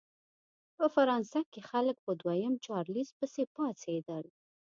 په فرانسه کې خلک په دویم چارلېز پسې پاڅېدل.